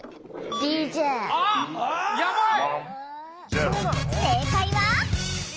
あっやばい！